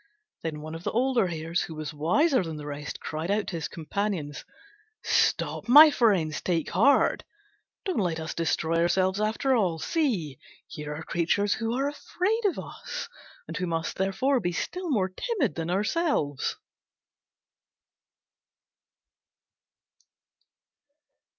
Then one of the older Hares who was wiser than the rest cried out to his companions, "Stop, my friends, take heart; don't let us destroy ourselves after all: see, here are creatures who are afraid of us, and who must, therefore, be still more timid than ourselves."